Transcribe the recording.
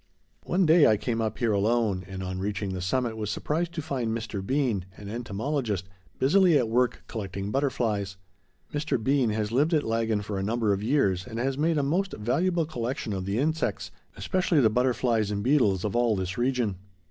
One day I came up here alone, and on reaching the summit was surprised to find Mr. Bean, an entomologist, busily at work collecting butterflies. Mr. Bean has lived at Laggan for a number of years, and has made a most valuable collection of the insects, especially the butterflies and beetles, of all this region.